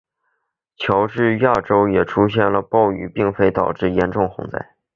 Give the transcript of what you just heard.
乔治亚州也出现了暴雨并导致严重洪灾。